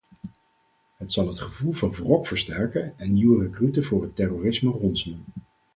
Het zal het gevoel van wrok versterken en nieuwe rekruten voor het terrorisme ronselen.